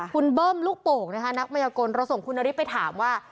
คุณเบิ้มลูกโป่งนะคะนักมัยกลเราส่งคุณนฤทธิ์ไปถามว่า